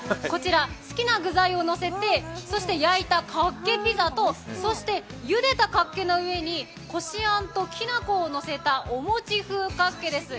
好きな具材をのせて、そして焼いた、かっけピザとそしてゆでたかっけの上にこしあんときな粉を乗せたお餅風かっけです。